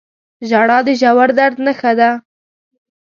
• ژړا د ژور درد نښه ده.